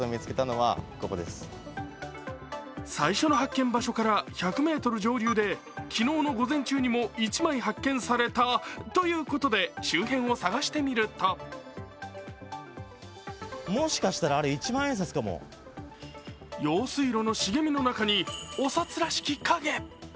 最初の発見場所から１００ｍ上流で昨日の午前中にも１枚発見されたということで周辺を探してみると用水路の茂みの中に、お札らしき影。